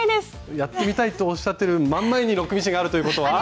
やってみたいとおっしゃってる真ん前にロックミシンがあるということは。